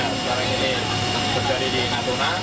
yang sekarang ini terjadi di natuna